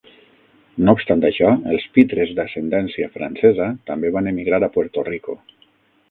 No obstant això, els Pitres d'ascendència francesa també van emigrar a Puerto Rico.